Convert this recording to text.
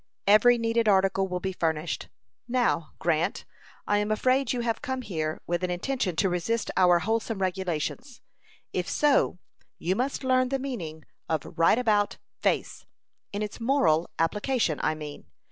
"Every needed article will be furnished. Now, Grant, I am afraid you have come here with an intention to resist our wholesome regulations. If so, you must learn the meaning of "right about, face" in its moral application, I mean.